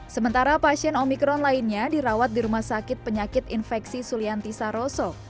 sementara pasien omikron lainnya dirawat di rumah sakit penyakit infeksi sulianti saroso